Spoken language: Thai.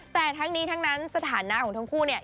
แต่ทั้งนี้ทั้งนั้นสถานะของทั้งคู่เนี่ย